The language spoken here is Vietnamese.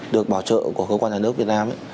được bảo trợ của cơ quan nhà nước việt nam